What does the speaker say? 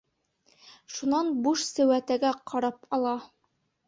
Шунан буш сеүәтәгә ҡарап ала: